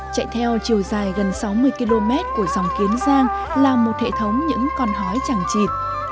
chạy theo chiều dài gần sáu mươi km của dòng kiến giang là một hệ thống những con hói chẳng chịt